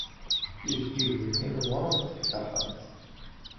Tijeǧǧigin-nni newwṛent-d texxamt.